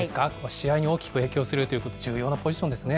試合に大きく影響するということで、重要なポジションですね。